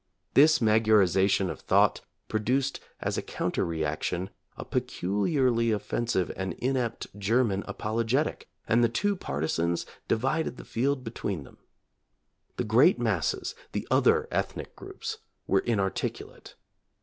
This Magyarization of thought pro duced as a counter reaction a peculiarly offensive and inept German apologetic, and the two par tisans divided the field between them. The great masses, the other ethnic groups, were inarticulate.